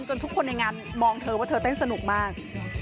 ทุกคนในงานมองเธอว่าเธอเต้นสนุกมาก